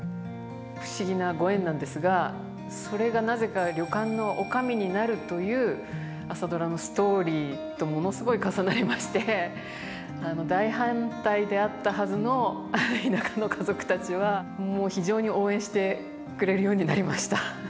不思議なご縁なんですがそれがなぜか旅館の女将になるという「朝ドラ」のストーリーとものすごい重なりまして大反対であったはずの田舎の家族たちはもう非常に応援してくれるようになりました。